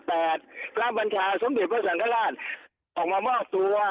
พระบัญชาซ้ำเกียจพระสังคลาดออกมามอบตัว